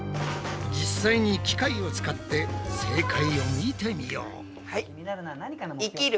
実際に機械を使って正解を見てみよう。